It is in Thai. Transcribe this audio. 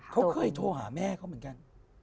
เขาเคยโทรหาแม่เขาเหมือนกัน